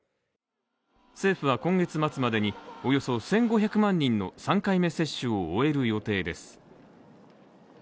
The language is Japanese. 政府は今月末までにおよそ１５００万人の３回目接種を終える予定です。